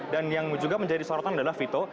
dan yang juga menjadi sorotan adalah vito